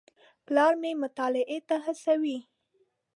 پلار مې مطالعې ته هڅوي.